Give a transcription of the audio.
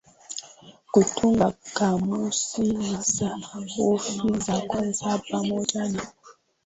kutunga kamusi na sarufi za kwanza pamoja na